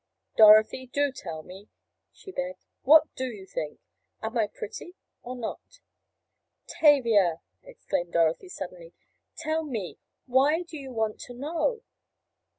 "Dorothy, do tell me," she begged. "What do you think? Am I pretty, or not?" "Tavia," exclaimed Dorothy suddenly, "tell me, why do you want to know?"